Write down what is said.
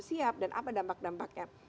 siap dan apa dampak dampaknya